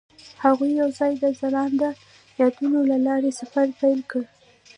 هغوی یوځای د ځلانده یادونه له لارې سفر پیل کړ.